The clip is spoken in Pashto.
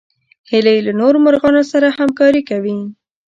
هیلۍ له نورو مرغانو سره همکاري کوي